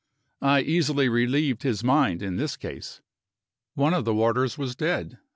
I easily relieved his mind in this case. One of the warders was dead.